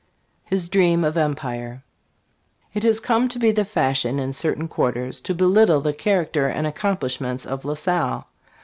HIS DREAM OF EMPIRE. IT HAS come to be the fashion in certain quarters to belittle the character and accomplishments of La Salle.